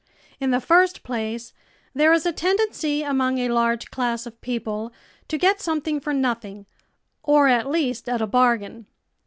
In the first place, there is a tendency among a large class of people to get something for nothing or at least at a bargain.